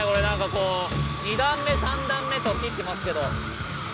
２段目３段目と切ってますけど。